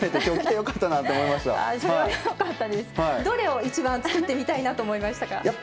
どれを一番作ってみたいなと思いましたか？